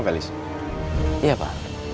gak ada apa apa